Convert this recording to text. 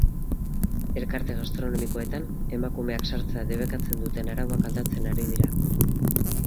Elkarte gastronomikoetan emakumeak sartzea debekatzen duten arauak aldatzen ari dira.